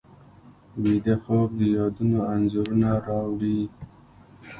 ویده خوب د یادونو انځورونه راوړي